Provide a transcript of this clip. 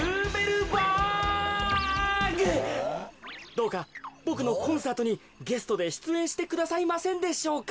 どうかボクのコンサートにゲストでしゅつえんしてくださいませんでしょうか。